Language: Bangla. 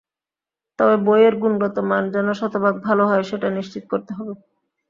তবে বইয়ের গুণগত মান যেন শতভাগ ভালো হয়, সেটা নিশ্চিত করতে হবে।